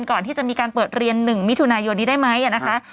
ก่อนที่จะมีการเปิดเรียน๑มิถุนายนนี้ได้ไหมนะคะ